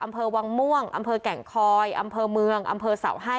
อำเภอวังม่วงอำเภอแก่งคอยอำเภอเมืองอำเภอเสาให้